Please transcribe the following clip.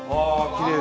きれい。